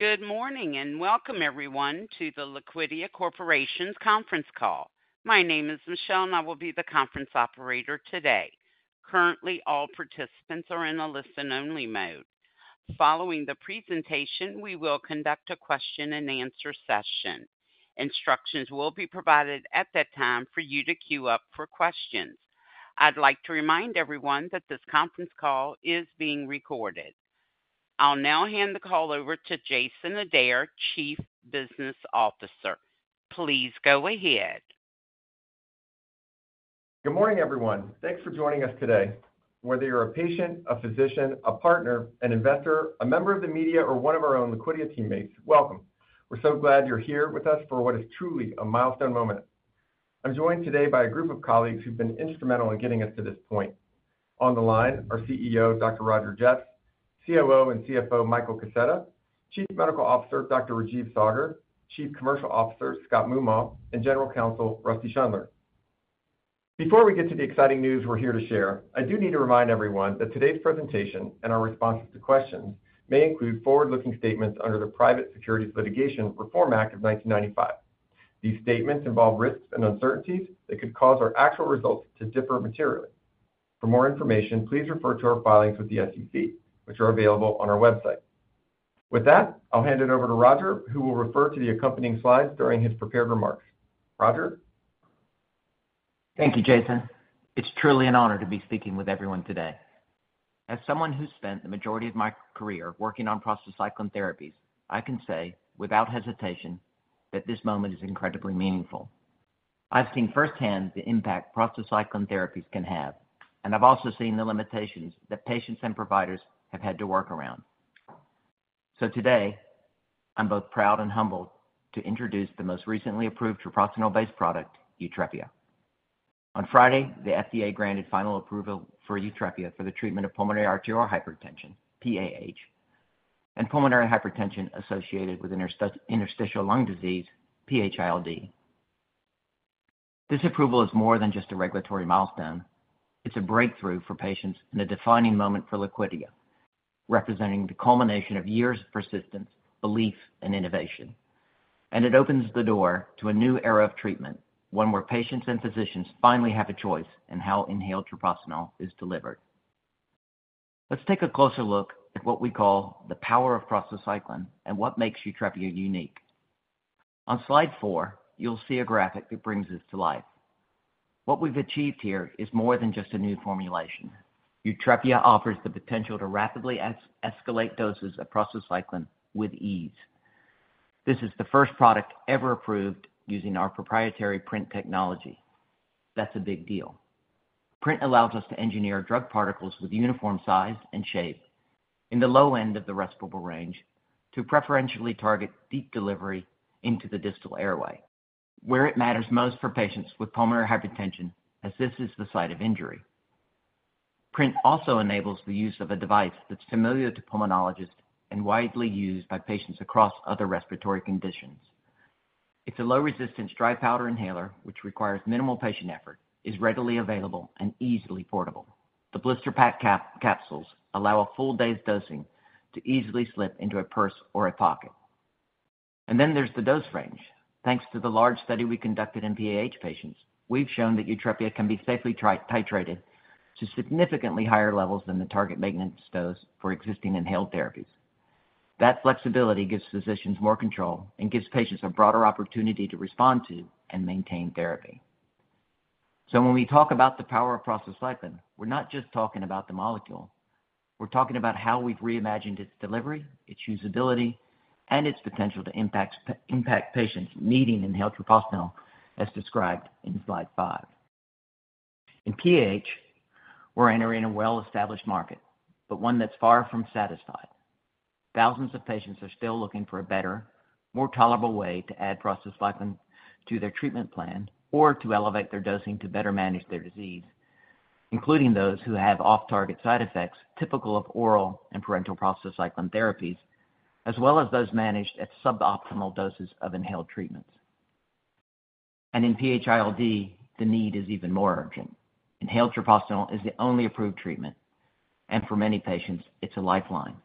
Good morning and welcome, everyone, to the Liquidia Corporation's conference call. My name is Michelle, and I will be the conference operator today. Currently, all participants are in a listen-only mode. Following the presentation, we will conduct a question-and-answer session. Instructions will be provided at that time for you to queue up for questions. I'd like to remind everyone that this conference call is being recorded. I'll now hand the call over to Jason Adair, Chief Business Officer. Please go ahead. Good morning, everyone. Thanks for joining us today. Whether you're a patient, a physician, a partner, an investor, a member of the media, or one of our own Liquidia teammates, welcome. We're so glad you're here with us for what is truly a milestone moment. I'm joined today by a group of colleagues who've been instrumental in getting us to this point. On the line are CEO, Dr. Roger Jeffs, COO and CFO,, Michael Kaseta, Chief Medical Officer, Dr. Rajeev Saggar, Chief Commercial Officer, Scott Moomaw, and General Counsel Rusty Schundler. Before we get to the exciting news we're here to share, I do need to remind everyone that today's presentation and our responses to questions may include forward-looking statements under the Private Securities Litigation Reform Act of 1995. These statements involve risks and uncertainties that could cause our actual results to differ materially. For more information, please refer to our filings with the SEC, which are available on our website. With that, I'll hand it over to Roger, who will refer to the accompanying slides during his prepared remarks. Roger. Thank you, Jason. It's truly an honor to be speaking with everyone today. As someone who spent the majority of my career working on prostacyclin therapies, I can say without hesitation that this moment is incredibly meaningful. I've seen firsthand the impact prostacyclin therapies can have, and I've also seen the limitations that patients and providers have had to work around. Today, I'm both proud and humbled to introduce the most recently approved treprostinil-based product, YUTREPIA. On Friday, the FDA granted final approval for YUTREPIA for the treatment of pulmonary arterial hypertension, PAH, and pulmonary hypertension associated with interstitial lung disease, PH-ILD. This approval is more than just a regulatory milestone. It's a breakthrough for patients and a defining moment for Liquidia, representing the culmination of years of persistence, belief, and innovation. It opens the door to a new era of treatment, one where patients and physicians finally have a choice in how inhaled prostacyclin is delivered. Let's take a closer look at what we call the power of prostacyclin and what makes YUTREPIA unique. On slide four, you'll see a graphic that brings this to life. What we've achieved here is more than just a new formulation. YUTREPIA offers the potential to rapidly escalate doses of prostacyclin with ease. This is the first product ever approved using our proprietary PRINT technology. That's a big deal. PRINT allows us to engineer drug particles with uniform size and shape in the low end of the respirable range to preferentially target deep delivery into the distal airway, where it matters most for patients with pulmonary hypertension, as this is the site of injury. PRINT also enables the use of a device that's familiar to pulmonologists and widely used by patients across other respiratory conditions. It's a low-resistance dry powder inhaler, which requires minimal patient effort, is readily available, and easily portable. The blister pack capsules allow a full day's dosing to easily slip into a purse or a pocket. There is the dose range. Thanks to the large study we conducted in PAH patients, we've shown that YUTREPIA can be safely titrated to significantly higher levels than the target maintenance dose for existing inhaled therapies. That flexibility gives physicians more control and gives patients a broader opportunity to respond to and maintain therapy. When we talk about the power of prostacyclin, we're not just talking about the molecule. We're talking about how we've reimagined its delivery, its usability, and its potential to impact patients needing inhaled treprostinil, as described in slide five. In PAH, we're entering a well-established market, but one that's far from satisfied. Thousands of patients are still looking for a better, more tolerable way to add prostacyclin to their treatment plan or to elevate their dosing to better manage their disease, including those who have off-target side effects typical of oral and parenteral prostacyclin therapies, as well as those managed at suboptimal doses of inhaled treatments. In PH-ILD, the need is even more urgent. Inhaled treprostinil is the only approved treatment, and for many patients, it's a lifeline.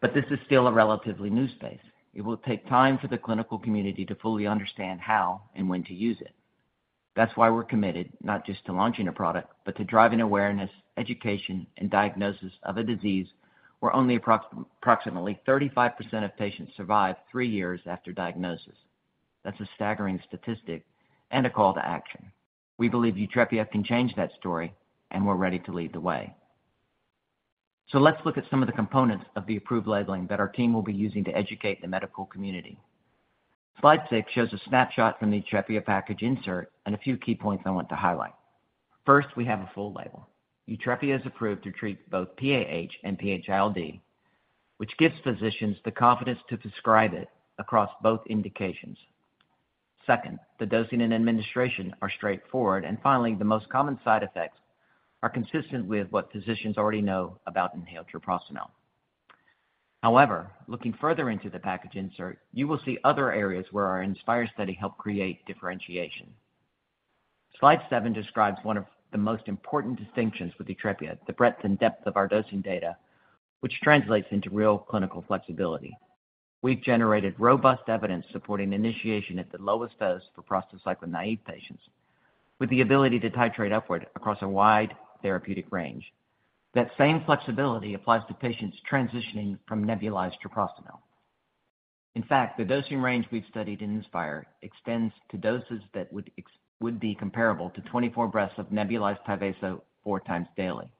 This is still a relatively new space. It will take time for the clinical community to fully understand how and when to use it. That's why we're committed not just to launching a product, but to driving awareness, education, and diagnosis of a disease where only approximately 35% of patients survive three years after diagnosis. That's a staggering statistic and a call to action. We believe YUTREPIA can change that story, and we're ready to lead the way. Let's look at some of the components of the approved labeling that our team will be using to educate the medical community. Slide six shows a snapshot from the YUTREPIA package insert and a few key points I want to highlight. First, we have a full label. YUTREPIA is approved to treat both PAH and PH-ILD, which gives physicians the confidence to prescribe it across both indications. Second, the dosing and administration are straightforward. Finally, the most common side effects are consistent with what physicians already know about inhaled treprostinil. However, looking further into the package insert, you will see other areas where our INSPIRE study helped create differentiation. Slide seven describes one of the most important distinctions with YUTREPIA, the breadth and depth of our dosing data, which translates into real clinical flexibility. We've generated robust evidence supporting initiation at the lowest dose for prostacyclin-naive patients, with the ability to titrate upward across a wide therapeutic range. That same flexibility applies to patients transitioning from nebulized to prostacyclin. In fact, the dosing range we've studied in INSPIRE extends to doses that would be comparable to 24 breaths of nebulized TYVASO four times daily.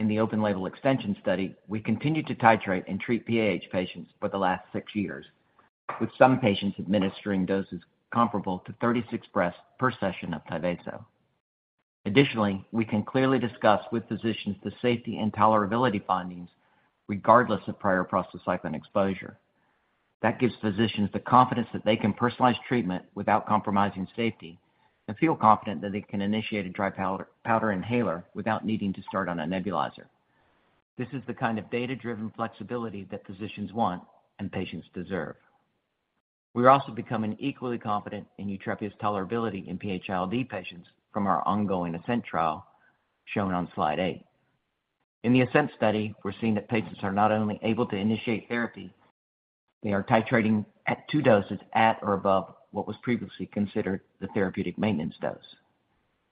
In the open-label extension study, we continued to titrate and treat PAH patients for the last six years, with some patients administering doses comparable to 36 breaths per session of TYVASO. Additionally, we can clearly discuss with physicians the safety and tolerability findings regardless of prior prostacyclin exposure. That gives physicians the confidence that they can personalize treatment without compromising safety and feel confident that they can initiate a dry powder inhaler without needing to start on a nebulizer. This is the kind of data-driven flexibility that physicians want and patients deserve. We are also becoming equally confident in YUTREPIA's tolerability in PH-ILD patients from our ongoing ASCENT trial shown on slide eight. In the ASCENT study, we're seeing that patients are not only able to initiate therapy, they are titrating at two doses at or above what was previously considered the therapeutic maintenance dose.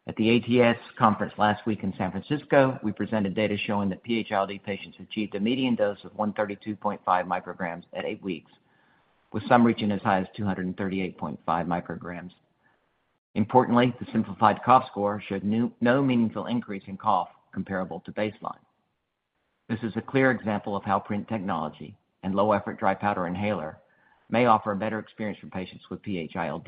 At the ATS conference last week in San Francisco, we presented data showing that PH-ILD patients achieved a median dose of 132.5 micrograms at eight weeks, with some reaching as high as 238.5 micrograms. Importantly, the simplified cough score showed no meaningful increase in cough comparable to baseline. This is a clear example of how PRINT technology and low-effort dry powder inhaler may offer a better experience for patients with PH-ILD,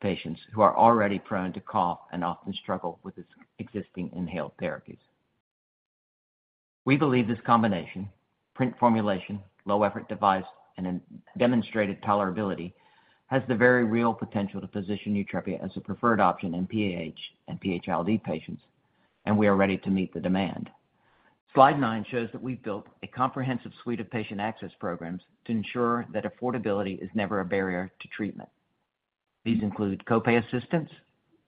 patients who are already prone to cough and often struggle with existing inhaled therapies. We believe this combination, PRINT formulation, low-effort device, and demonstrated tolerability has the very real potential to position YUTREPIA as a preferred option in PAH and PH-ILD patients, and we are ready to meet the demand. Slide nine shows that we've built a comprehensive suite of patient access programs to ensure that affordability is never a barrier to treatment. These include copay assistance,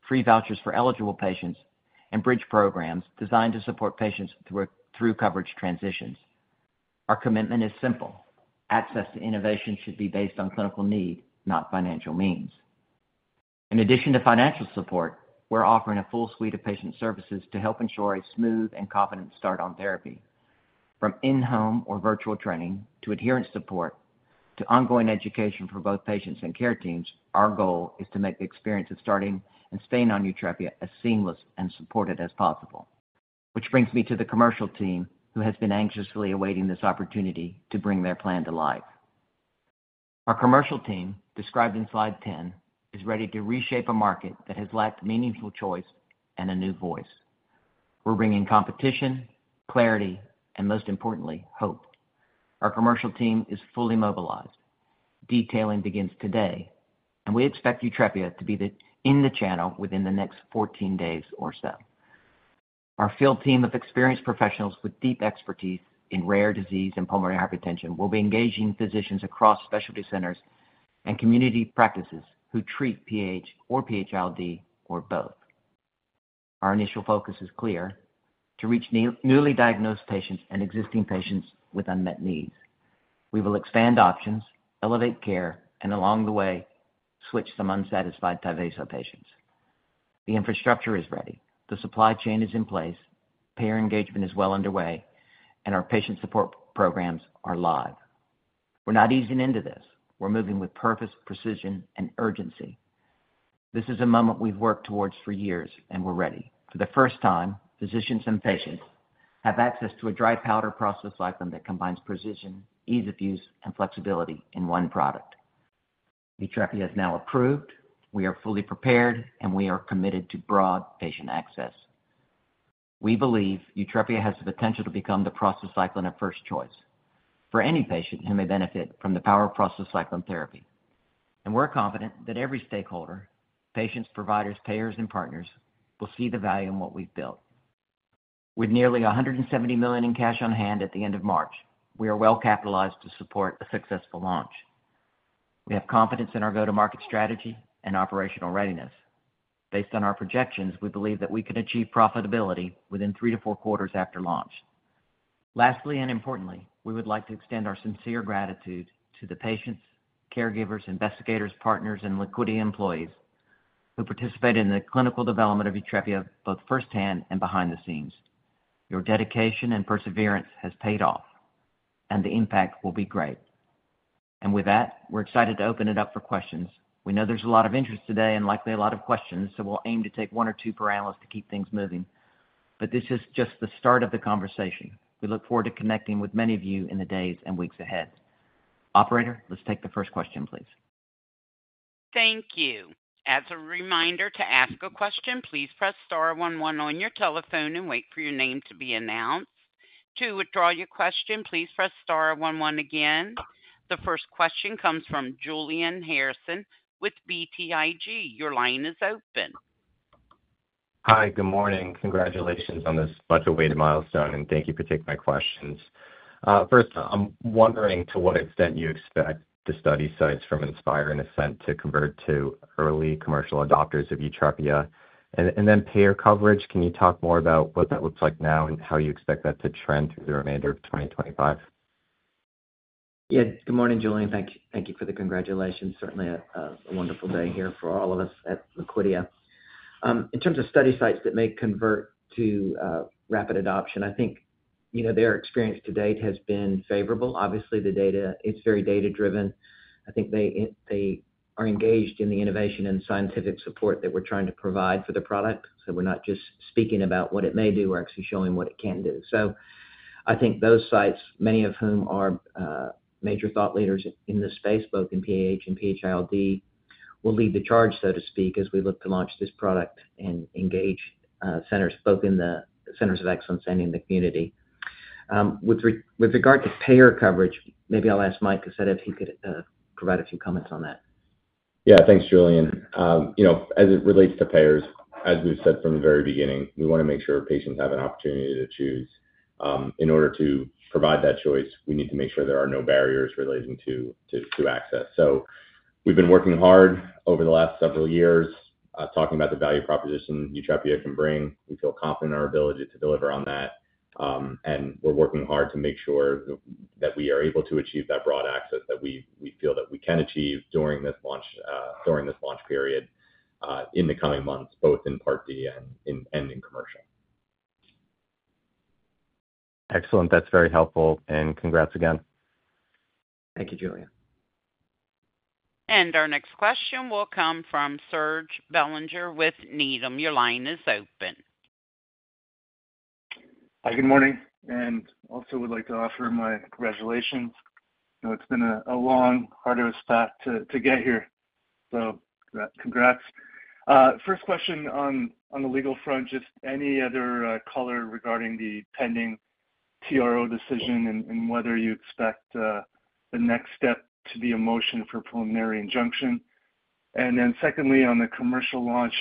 free vouchers for eligible patients, and bridge programs designed to support patients through coverage transitions. Our commitment is simple. Access to innovation should be based on clinical need, not financial means. In addition to financial support, we're offering a full suite of patient services to help ensure a smooth and confident start on therapy. From in-home or virtual training to adherence support to ongoing education for both patients and care teams, our goal is to make the experience of starting and staying on YUTREPIA as seamless and supported as possible. Which brings me to the commercial team, who has been anxiously awaiting this opportunity to bring their plan to life. Our commercial team, described in slide 10, is ready to reshape a market that has lacked meaningful choice and a new voice. We're bringing competition, clarity, and most importantly, hope. Our commercial team is fully mobilized. Detailing begins today, and we expect YUTREPIA to be in the channel within the next 14 days or so. Our field team of experienced professionals with deep expertise in rare disease and pulmonary hypertension will be engaging physicians across specialty centers and community practices who treat PAH or PH-ILD or both. Our initial focus is clear: to reach newly diagnosed patients and existing patients with unmet needs. We will expand options, elevate care, and along the way, switch some unsatisfied TYVASO patients. The infrastructure is ready. The supply chain is in place. Payer engagement is well underway, and our patient support programs are live. We're not easing into this. We're moving with purpose, precision, and urgency. This is a moment we've worked towards for years, and we're ready. For the first time, physicians and patients have access to a dry powder prostacyclin that combines precision, ease of use, and flexibility in one product. YUTREPIA is now approved. We are fully prepared, and we are committed to broad patient access. We believe YUTREPIA has the potential to become the prostacyclin of first choice for any patient who may benefit from the power of prostacyclin therapy. We are confident that every stakeholder, patients, providers, payers, and partners will see the value in what we have built. With nearly $170 million in cash on hand at the end of March, we are well capitalized to support a successful launch. We have confidence in our go-to-market strategy and operational readiness. Based on our projections, we believe that we can achieve profitability within three to four quarters after launch. Lastly, and importantly, we would like to extend our sincere gratitude to the patients, caregivers, investigators, partners, and Liquidia employees who participated in the clinical development of YUTREPIA both firsthand and behind the scenes. Your dedication and perseverance have paid off, and the impact will be great. With that, we're excited to open it up for questions. We know there's a lot of interest today and likely a lot of questions, so we'll aim to take one or two per analyst to keep things moving. This is just the start of the conversation. We look forward to connecting with many of you in the days and weeks ahead. Operator, let's take the first question, please. Thank you. As a reminder to ask a question, please press star one one on your telephone and wait for your name to be announced. To withdraw your question, please press star one one again. The first question comes from Julian Harrison with BTIG. Your line is open. Hi, good morning. Congratulations on this much-awaited milestone, and thank you for taking my questions. First, I'm wondering to what extent you expect the study sites from INSPIRE and ASCENT to convert to early commercial adopters of YUTREPIA. And then payer coverage, can you talk more about what that looks like now and how you expect that to trend through the remainder of 2025? Yeah, good morning, Julian. Thank you for the congratulations. Certainly a wonderful day here for all of us at Liquidia. In terms of study sites that may convert to rapid adoption, I think their experience to date has been favorable. Obviously, the data, it's very data-driven. I think they are engaged in the innovation and scientific support that we're trying to provide for the product. So we're not just speaking about what it may do. We're actually showing what it can do. I think those sites, many of whom are major thought leaders in this space, both in PAH and PH-ILD, will lead the charge, so to speak, as we look to launch this product and engage centers, both in the centers of excellence and in the community. With regard to payer coverage, maybe I'll ask Mike Kaseta if he could provide a few comments on that. Yeah, thanks, Julian. As it relates to payers, as we've said from the very beginning, we want to make sure patients have an opportunity to choose. In order to provide that choice, we need to make sure there are no barriers relating to access. We've been working hard over the last several years talking about the value proposition YUTREPIA can bring. We feel confident in our ability to deliver on that. We're working hard to make sure that we are able to achieve that broad access that we feel that we can achieve during this launch period in the coming months, both in Part D and in commercial. Excellent. That's very helpful, and congrats again. Thank you, Julian. Our next question will come from Serge Belanger with Needham. Your line is open. Hi, good morning. Also would like to offer my congratulations. It's been a long, arduous path to get here, so congrats. First question on the legal front, just any other color regarding the pending TRO decision and whether you expect the next step to be a motion for preliminary injunction. Secondly, on the commercial launch,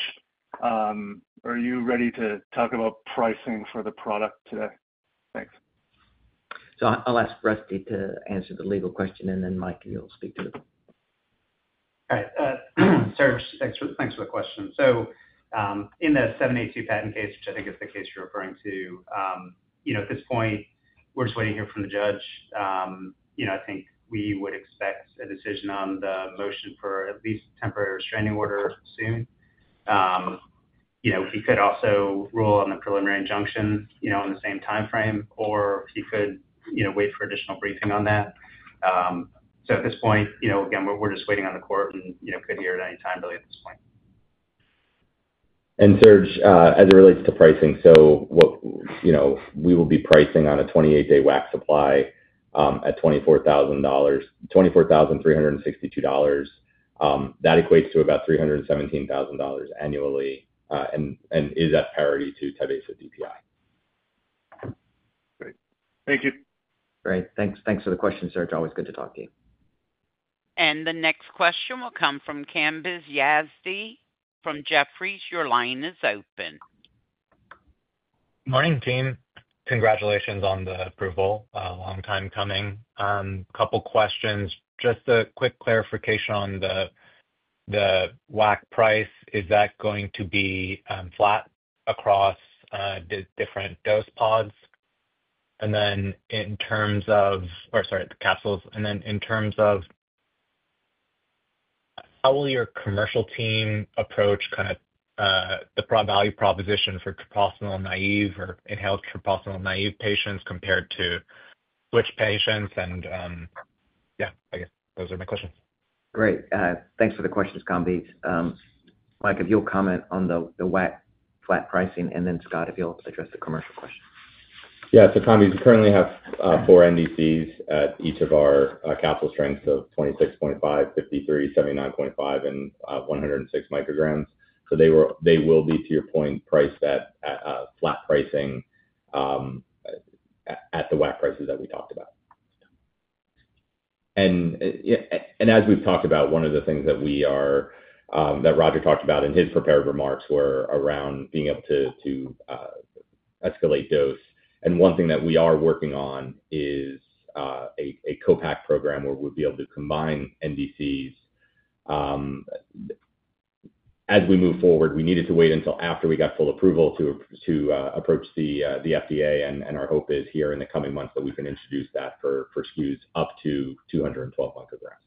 are you ready to talk about pricing for the product today? Thanks. I'll ask Rusty to answer the legal question, and then Mike, you'll speak to it. All right. Serge, thanks for the question. In the 782 patent case, which I think is the case you're referring to, at this point, we're just waiting to hear from the judge. I think we would expect a decision on the motion for at least a temporary restraining order soon. He could also rule on the preliminary injunction in the same timeframe, or he could wait for additional briefing on that. At this point, again, we're just waiting on the court and could hear at any time really at this point. Serge, as it relates to pricing, we will be pricing on a 28-day WAC supply at $24,362. That equates to about $317,000 annually and is at parity to TYVASO DPI. Thank you. Great. Thanks for the question, Serge. Always good to talk to you. The next question will come from Kambiz Yazdi from Jefferies. Your line is open. Morning, team. Congratulations on the approval. Long time coming. A couple of questions. Just a quick clarification on the WAC price. Is that going to be flat across different dose pods? In terms of—or sorry, the capsules—in terms of how will your commercial team approach kind of the value proposition for treprostinil-naive or inhaled treprostinil-naive patients compared to switch patients? I guess those are my questions. Great. Thanks for the questions, Kambiz. Mike, if you'll comment on the WAC flat pricing, and then Scott, if you'll address the commercial question. Yeah. Kambiz, currently we have four NDCs at each of our capsule strengths of 26.5, 53, 79.5, and 106 micrograms. They will be, to your point, priced at flat pricing at the WAC prices that we talked about. As we have talked about, one of the things that Roger talked about in his prepared remarks was around being able to escalate dose. One thing that we are working on is a co-pack program where we will be able to combine NDCs. As we move forward, we needed to wait until after we got full approval to approach the FDA, and our hope is here in the coming months that we can introduce that for SKUs up to 212 micrograms.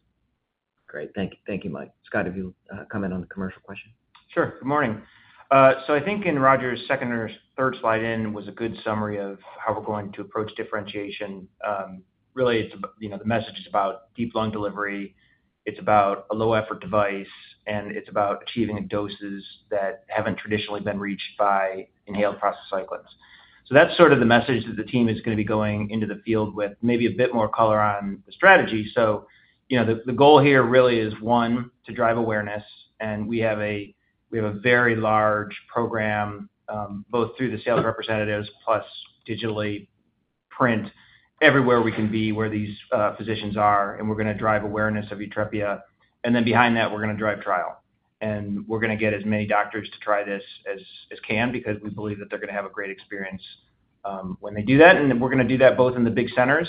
Great. Thank you, Mike. Scott, if you will comment on the commercial question. Sure. Good morning. I think in Roger's second or third slide in was a good summary of how we are going to approach differentiation. Really, the message is about deep lung delivery. It's about a low-effort device, and it's about achieving doses that haven't traditionally been reached by inhaled prostacyclins. That's sort of the message that the team is going to be going into the field with, maybe a bit more color on the strategy. The goal here really is, one, to drive awareness. We have a very large program, both through the sales representatives plus digitally print everywhere we can be where these physicians are, and we're going to drive awareness of YUTREPIA. Then behind that, we're going to drive trial. We're going to get as many doctors to try this as can because we believe that they're going to have a great experience when they do that. We're going to do that both in the big centers,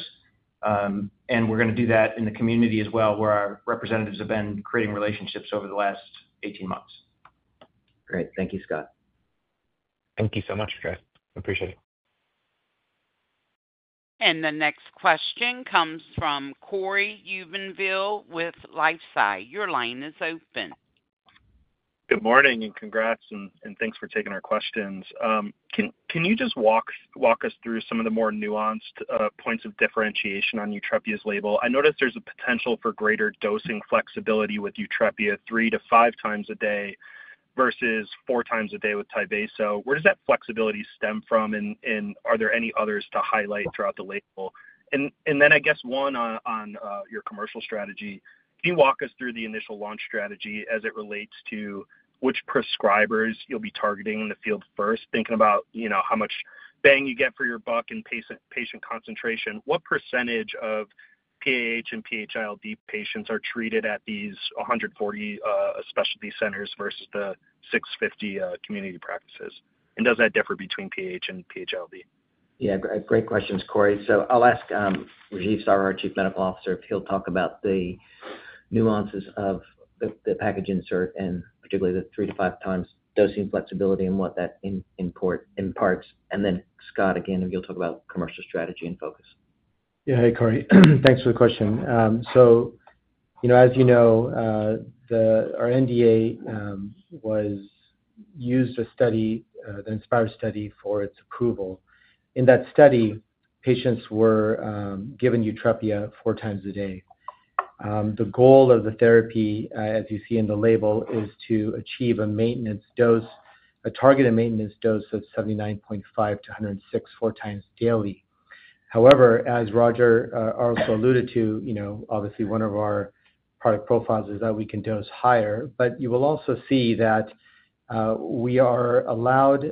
and we're going to do that in the community as well where our representatives have been creating relationships over the last 18 months. Great. Thank you, Scott. Thank you so much, Scott. Appreciate it. The next question comes from Cory Jubinville with LifeSci. Your line is open. Good morning and congrats, and thanks for taking our questions. Can you just walk us through some of the more nuanced points of differentiation on YUTREPIA's label? I noticed there's a potential for greater dosing flexibility with YUTREPIA three to five times a day versus four times a day with TYVASO. Where does that flexibility stem from, and are there any others to highlight throughout the label? I guess one on your commercial strategy. Can you walk us through the initial launch strategy as it relates to which prescribers you'll be targeting in the field first, thinking about how much bang you get for your buck and patient concentration? What percentage of PAH and PH-ILD patients are treated at these 140 specialty centers versus the 650 community practices? And does that differ between PAH and PH-ILD? Yeah, great questions, Cory. I'll ask Rajeev Saggar, our Chief Medical Officer, if he'll talk about the nuances of the package insert and particularly the three- to five-times dosing flexibility and what that imparts. Then Scott, again, if you'll talk about commercial strategy and focus. Yeah. Hey, Cory. Thanks for the question. As you know, our NDA used a study, the INSPIRE study, for its approval. In that study, patients were given YUTREPIA four times a day. The goal of the therapy, as you see in the label, is to achieve a maintenance dose, a targeted maintenance dose of 79.5-106 four times daily. However, as Roger also alluded to, obviously, one of our product profiles is that we can dose higher, but you will also see that we are allowed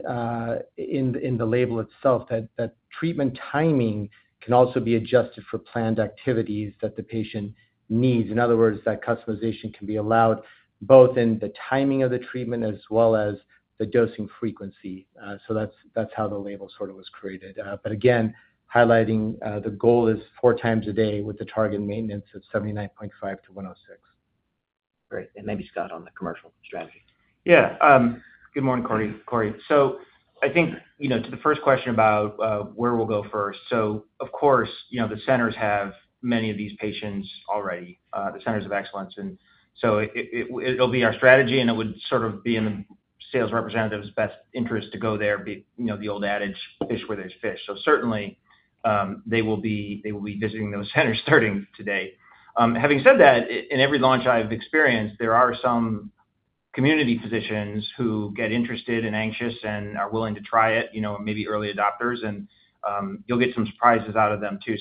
in the label itself that treatment timing can also be adjusted for planned activities that the patient needs. In other words, that customization can be allowed both in the timing of the treatment as well as the dosing frequency. That is how the label sort of was created. Again, highlighting the goal is four times a day with a targeted maintenance of 79.5-106. Great. Maybe Scott on the commercial strategy. Yeah. Good morning, Cory. I think to the first question about where we'll go first, of course, the centers have many of these patients already, the centers of excellence. It will be our strategy, and it would sort of be in the sales representative's best interest to go there, the old adage, fish where there's fish. Certainly, they will be visiting those centers starting today. Having said that, in every launch I've experienced, there are some community physicians who get interested and anxious and are willing to try it, maybe early adopters, and you'll get some surprises out of them too.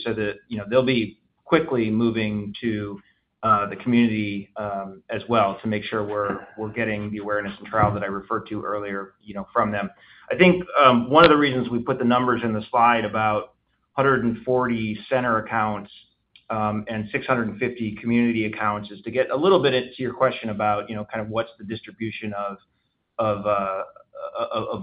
They'll be quickly moving to the community as well to make sure we're getting the awareness and trial that I referred to earlier from them. I think one of the reasons we put the numbers in the slide about 140 center accounts and 650 community accounts is to get a little bit to your question about kind of what's the distribution of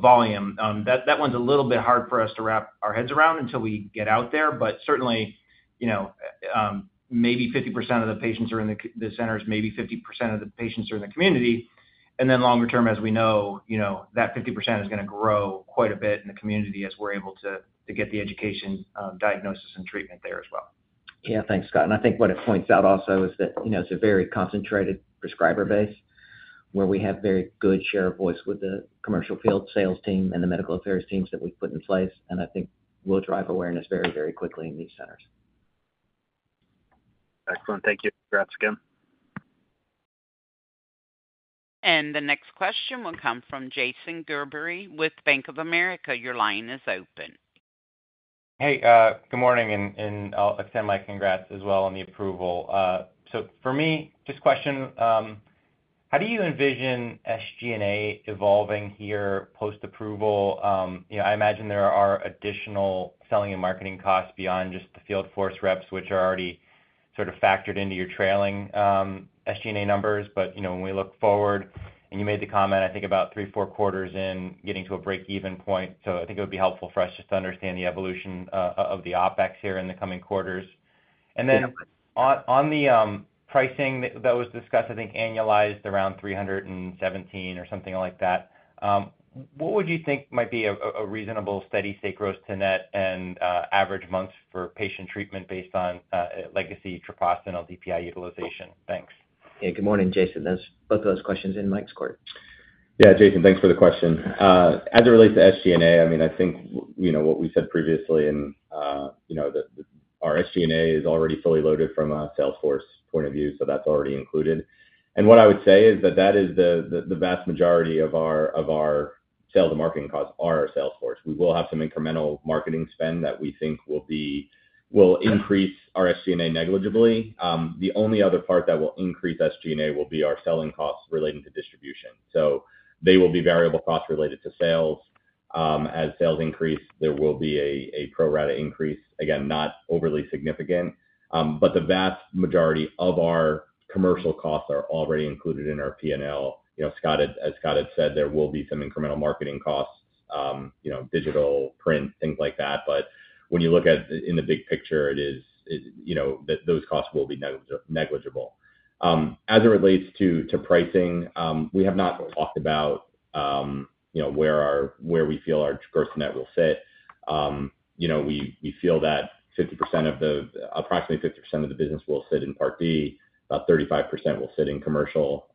volume. That one's a little bit hard for us to wrap our heads around until we get out there, but certainly, maybe 50% of the patients are in the centers, maybe 50% of the patients are in the community. And then longer term, as we know, that 50% is going to grow quite a bit in the community as we're able to get the education, diagnosis, and treatment there as well. Yeah. Thanks, Scott. I think what it points out also is that it's a very concentrated prescriber base where we have a very good share of voice with the commercial field sales team and the medical affairs teams that we've put in place. I think we'll drive awareness very, very quickly in these centers. Excellent. Thank you. Congrats again. The next question will come from Jason Gerberry with Bank of America. Your line is open. Hey, good morning. I'll extend my congrats as well on the approval. For me, just a question, how do you envision SG&A evolving here post-approval? I imagine there are additional selling and marketing costs beyond just the FieldForce reps, which are already sort of factored into your trailing SG&A numbers. When we look forward, and you made the comment, I think about three, four quarters in, getting to a break-even point. I think it would be helpful for us just to understand the evolution of the OpEx here in the coming quarters. On the pricing that was discussed, I think annualized around $317,000 or something like that, what would you think might be a reasonable steady state gross to net and average months for patient treatment based on legacy treprostinil DPI utilization? Thanks. Yeah. Good morning, Jason. Both of those questions in Mike's court. Yeah, Jason, thanks for the question. As it relates to SG&A, I mean, I think what we said previously and our SG&A is already fully loaded from a Salesforce point of view, so that's already included. What I would say is that the vast majority of our sales and marketing costs are Salesforce. We will have some incremental marketing spend that we think will increase our SG&A negligibly. The only other part that will increase SG&A will be our selling costs relating to distribution. They will be variable costs related to sales. As sales increase, there will be a pro-rata increase, again, not overly significant. The vast majority of our commercial costs are already included in our P&L. As Scott had said, there will be some incremental marketing costs, digital print, things like that. When you look at it in the big picture, those costs will be negligible. As it relates to pricing, we have not talked about where we feel our gross net will sit. We feel that approximately 50% of the business will sit in Part D, about 35% will sit in commercial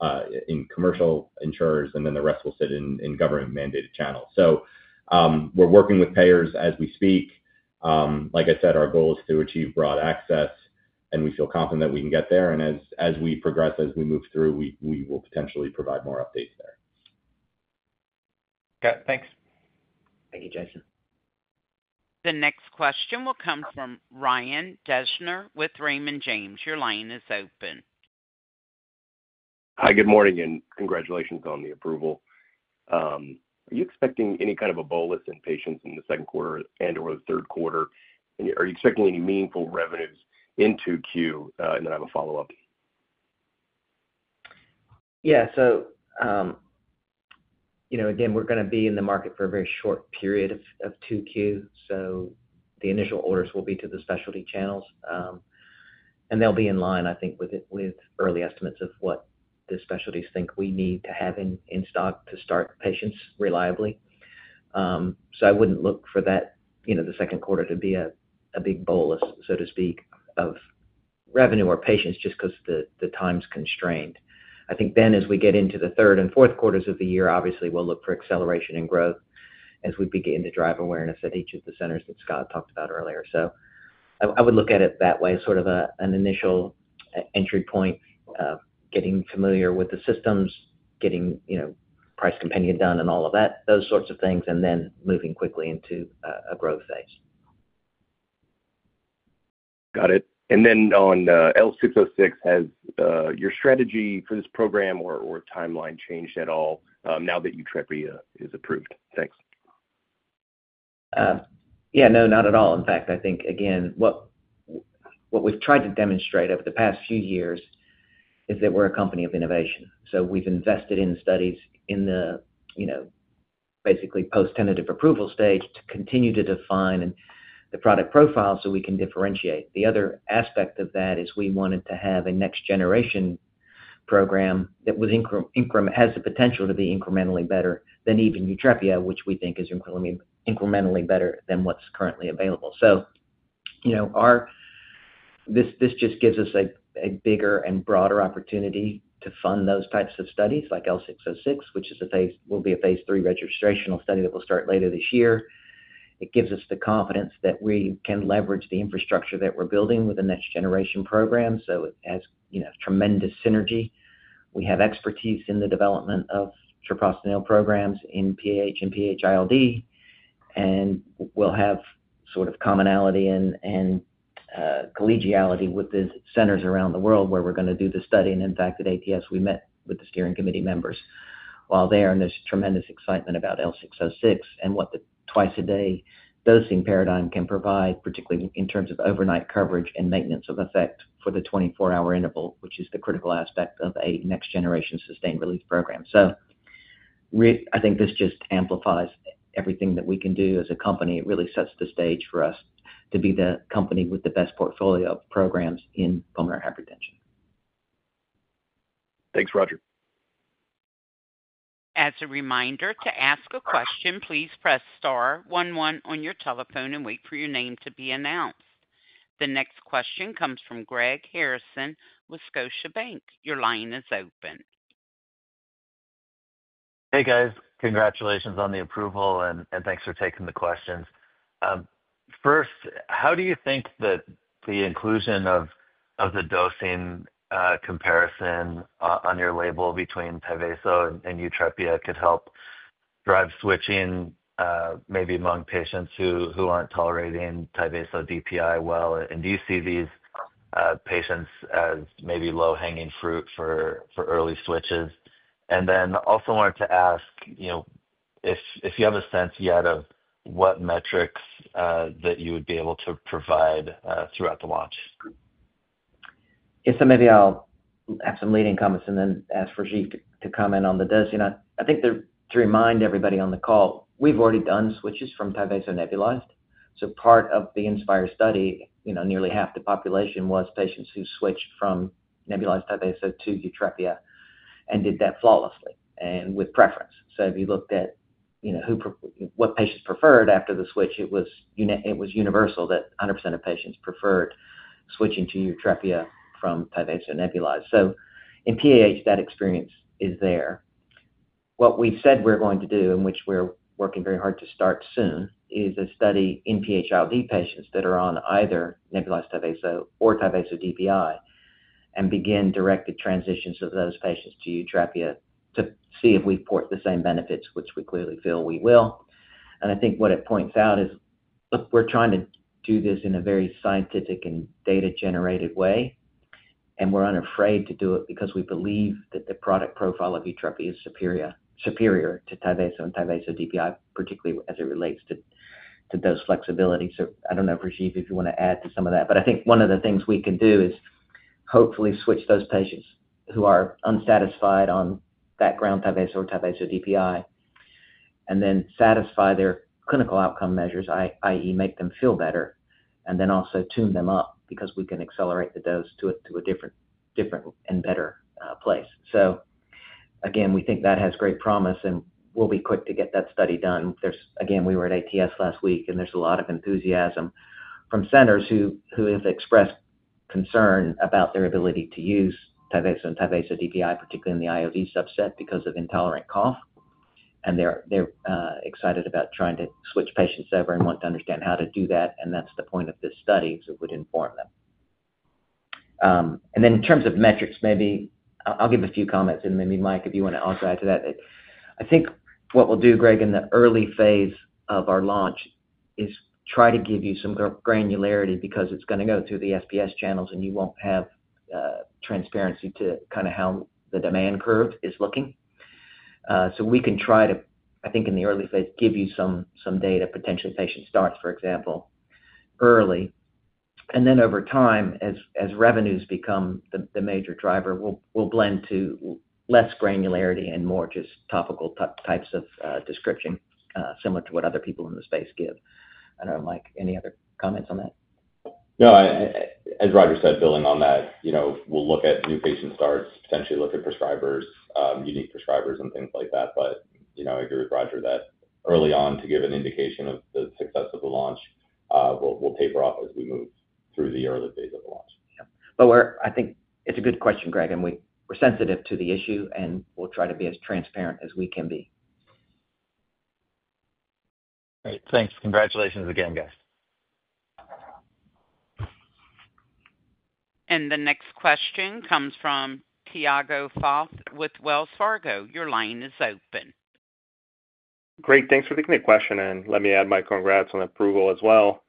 insurers, and the rest will sit in government-mandated channels. We are working with payers as we speak. Like I said, our goal is to achieve broad access, and we feel confident that we can get there. As we progress, as we move through, we will potentially provide more updates there. Okay. Thanks. Thank you, Jason. The next question will come from Ryan Deschner with Raymond James. Your line is open. Hi, good morning, and congratulations on the approval. Are you expecting any kind of a bolus in patients in the second quarter and/or the third quarter? Are you expecting any meaningful revenues in 2Q? I have a follow-up. Yeah. We are going to be in the market for a very short period of 2Q. The initial orders will be to the specialty channels, and they will be in line, I think, with early estimates of what the specialties think we need to have in stock to start patients reliably. I would not look for the second quarter to be a big bolus, so to speak, of revenue or patients just because the time is constrained. I think as we get into the third and fourth quarters of the year, obviously, we will look for acceleration and growth as we begin to drive awareness at each of the centers that Scott talked about earlier. I would look at it that way, sort of an initial entry point, getting familiar with the systems, getting price companion done and all of that, those sorts of things, and then moving quickly into a growth phase. Got it. On L606, has your strategy for this program or timeline changed at all now that YUTREPIA is approved? Thanks. Yeah. No, not at all. In fact, I think, again, what we've tried to demonstrate over the past few years is that we're a company of innovation. We've invested in studies in the basically post-tentative approval stage to continue to define the product profile so we can differentiate. The other aspect of that is we wanted to have a next-generation program that has the potential to be incrementally better than even YUTREPIA, which we think is incrementally better than what's currently available. This just gives us a bigger and broader opportunity to fund those types of studies like L606, which will be a phase III registrational study that will start later this year. It gives us the confidence that we can leverage the infrastructure that we're building with a next-generation program. It has tremendous synergy. We have expertise in the development of treprostinil programs in PAH and PH-ILD, and we'll have sort of commonality and collegiality with the centers around the world where we're going to do the study. In fact, at ATS, we met with the steering committee members while there, and there's tremendous excitement about L606 and what the twice-a-day dosing paradigm can provide, particularly in terms of overnight coverage and maintenance of effect for the 24-hour interval, which is the critical aspect of a next-generation sustained release program. I think this just amplifies everything that we can do as a company. It really sets the stage for us to be the company with the best portfolio of programs in pulmonary hypertension. Thanks, Roger. As a reminder to ask a question, please press star one one on your telephone and wait for your name to be announced. The next question comes from Greg Harrison, Scotiabank. Your line is open. Hey, guys. Congratulations on the approval, and thanks for taking the questions. First, how do you think that the inclusion of the dosing comparison on your label between TYVASO and YUTREPIA could help drive switching maybe among patients who aren't tolerating TYVASO DPI well? Do you see these patients as maybe low-hanging fruit for early switches? I also wanted to ask if you have a sense yet of what metrics that you would be able to provide throughout the launch. Yeah. Maybe I'll have some leading comments and then ask for Rajeev to comment on the dosing. I think to remind everybody on the call, we've already done switches from TYVASO nebulized. Part of the INSPIRE study, nearly half the population was patients who switched from nebulized TYVASO to YUTREPIA and did that flawlessly and with preference. If you looked at what patients preferred after the switch, it was universal that 100% of patients preferred switching to YUTREPIA from TYVASO nebulized. In PAH, that experience is there. What we've said we're going to do, and which we're working very hard to start soon, is a study in PH-ILD patients that are on either nebulized TYVASO or TYVASO DPI and begin directed transitions of those patients to YUTREPIA to see if we port the same benefits, which we clearly feel we will. I think what it points out is we're trying to do this in a very scientific and data-generated way, and we're unafraid to do it because we believe that the product profile of YUTREPIA is superior to TYVASO and TYVASO DPI, particularly as it relates to those flexibilities. I don't know, Rajeev, if you want to add to some of that. I think one of the things we can do is hopefully switch those patients who are unsatisfied on background TYVASO or TYVASO DPI and then satisfy their clinical outcome measures, i.e., make them feel better, and then also tune them up because we can accelerate the dose to a different and better place. We think that has great promise, and we'll be quick to get that study done. Again, we were at ATS last week, and there's a lot of enthusiasm from centers who have expressed concern about their ability to use TYVASO and TYVASO DPI, particularly in the ILD subset because of intolerant cough. They're excited about trying to switch patients over and want to understand how to do that. That's the point of this study, it would inform them. In terms of metrics, maybe I'll give a few comments. Maybe, Mike, if you want to also add to that. I think what we'll do, Greg, in the early phase of our launch is try to give you some granularity because it's going to go through the [SPS] channels, and you won't have transparency to kind of how the demand curve is looking. We can try to, I think, in the early phase, give you some data, potentially patient starts, for example, early. Then over time, as revenues become the major driver, we'll blend to less granularity and more just topical types of description similar to what other people in the space give. I do not know, Mike, any other comments on that? No. As Roger said, building on that, we'll look at new patient starts, potentially look at prescribers, unique prescribers, and things like that. I agree with Roger that early on to give an indication of the success of the launch, we'll taper off as we move through the early phase of the launch. Yeah. I think it's a good question, Greg, and we're sensitive to the issue, and we'll try to be as transparent as we can be. All right. Thanks. Congratulations again, guys. The next question comes from Tiago Fauth with Wells Fargo. Your line is open. Great. Thanks for the question. Let me add my congrats on approval as well.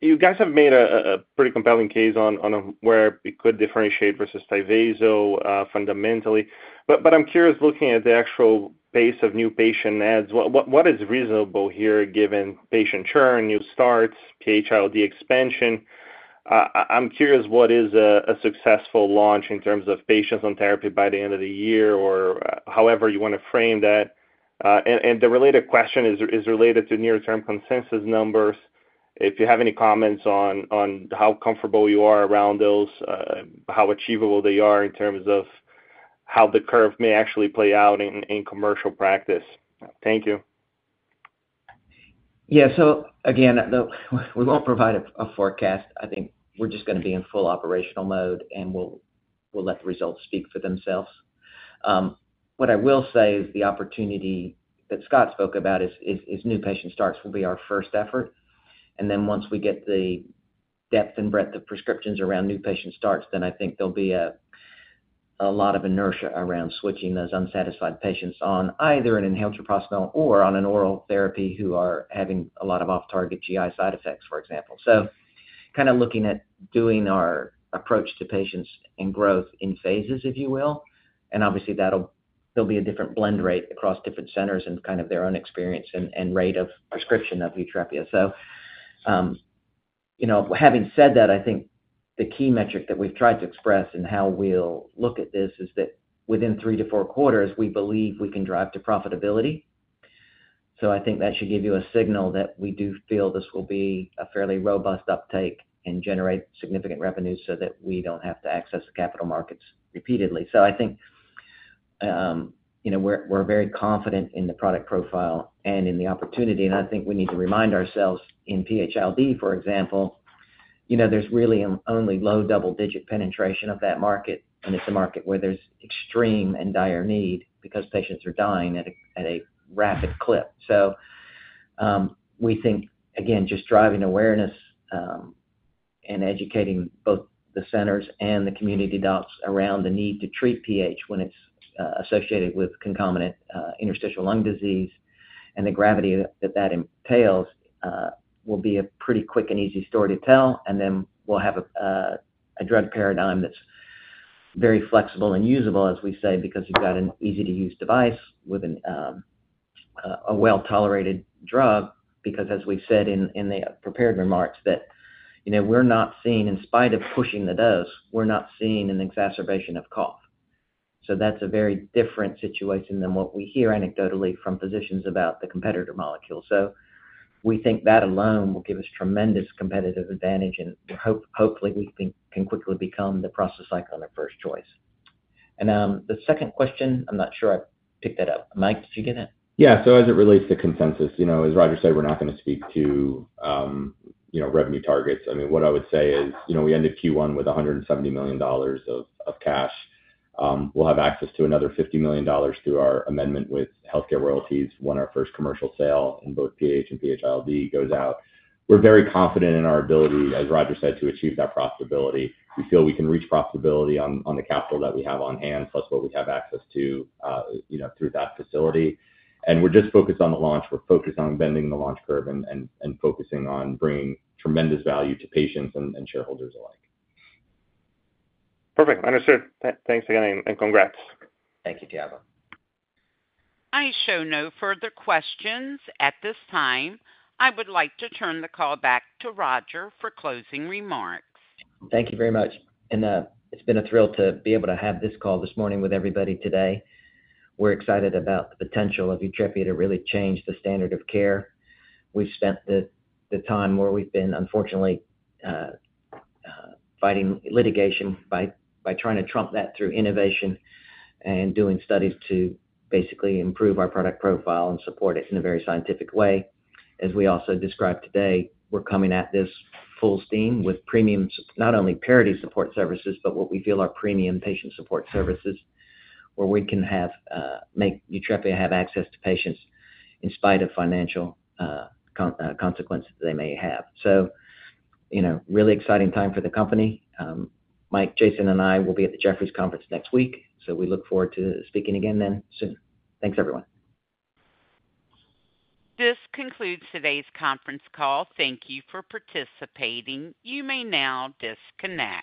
You guys have made a pretty compelling case on where it could differentiate versus TYVASO fundamentally. I'm curious, looking at the actual pace of new patient adds, what is reasonable here given patient churn, new starts, PH-ILD expansion? I'm curious what is a successful launch in terms of patients on therapy by the end of the year or however you want to frame that. The related question is related to near-term consensus numbers. If you have any comments on how comfortable you are around those, how achievable they are in terms of how the curve may actually play out in commercial practice. Thank you. Yeah. Again, we won't provide a forecast. I think we're just going to be in full operational mode, and we'll let the results speak for themselves. What I will say is the opportunity that Scott spoke about is new patient starts will be our first effort. And then once we get the depth and breadth of prescriptions around new patient starts, then I think there'll be a lot of inertia around switching those unsatisfied patients on either an inhaled treprostinil or on an oral therapy who are having a lot of off-target GI side effects, for example. Kind of looking at doing our approach to patients and growth in phases, if you will. Obviously, there'll be a different blend rate across different centers and kind of their own experience and rate of prescription of YUTREPIA. Having said that, I think the key metric that we've tried to express and how we'll look at this is that within three to four quarters, we believe we can drive to profitability. I think that should give you a signal that we do feel this will be a fairly robust uptake and generate significant revenue so that we don't have to access the capital markets repeatedly. I think we're very confident in the product profile and in the opportunity. I think we need to remind ourselves in PH-ILD, for example, there's really only low double-digit penetration of that market, and it's a market where there's extreme and dire need because patients are dying at a rapid clip. We think, again, just driving awareness and educating both the centers and the community adults around the need to treat PH when it's associated with concomitant interstitial lung disease and the gravity that that entails will be a pretty quick and easy story to tell. We will have a drug paradigm that's very flexible and usable, as we say, because you've got an easy-to-use device with a well-tolerated drug because, as we said in the prepared remarks, that we're not seeing, in spite of pushing the dose, we're not seeing an exacerbation of cough. That's a very different situation than what we hear anecdotally from physicians about the competitor molecule. We think that alone will give us tremendous competitive advantage, and hopefully, we can quickly become the prostacyclin and the first choice. The second question, I'm not sure I picked that up. Mike, did you get that? Yeah. As it relates to consensus, as Roger said, we're not going to speak to revenue targets. I mean, what I would say is we ended Q1 with $170 million of cash. We'll have access to another $50 million through our amendment with HealthCare Royalty when our first commercial sale in both PAH and PH-ILD goes out. We're very confident in our ability, as Roger said, to achieve that profitability. We feel we can reach profitability on the capital that we have on hand plus what we have access to through that facility. We're just focused on the launch. We're focused on bending the launch curve and focusing on bringing tremendous value to patients and shareholders alike. Perfect. Understood. Thanks again, and congrats. Thank you, Tiago. I show no further questions at this time. I would like to turn the call back to Roger for closing remarks. Thank you very much. It has been a thrill to be able to have this call this morning with everybody today. We are excited about the potential of YUTREPIA to really change the standard of care. We have spent the time where we have been, unfortunately, fighting litigation by trying to trump that through innovation and doing studies to basically improve our product profile and support it in a very scientific way. As we also described today, we are coming at this full steam with premium, not only parity support services, but what we feel are premium patient support services where we can make YUTREPIA have access to patients in spite of financial consequences they may have. It is a really exciting time for the company. Mike, Jason, and I will be at the Jefferies Conference next week. We look forward to speaking again soon. Thanks, everyone. This concludes today's conference call. Thank you for participating. You may now disconnect.